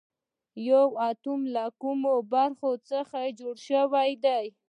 یو اتوم له کومو برخو څخه جوړ شوی دی